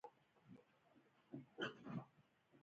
ویل یې تر ماسپښین وروسته ګڼه ګوڼه کمه شي.